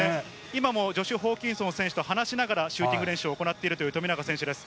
今もジョシュ・ホーキンソン選手と話しながらシューティング練習を行っているという富永選手です。